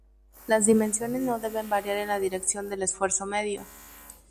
Las dimensiones no deben variar en la dirección del esfuerzo medio.